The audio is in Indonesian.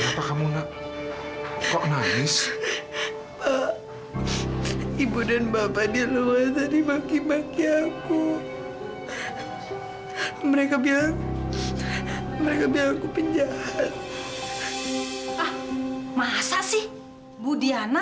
sampai jumpa di video selanjutnya